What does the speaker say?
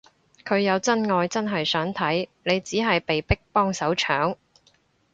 佢有真愛真係想睇，你只係被逼幫手搶